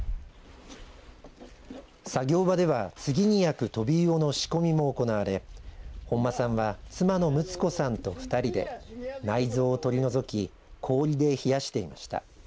作業場では、次に焼くトビウオの仕込みも行われ本間さんは妻のムツ子さんと２人で内臓を取り除き氷で冷やしていました。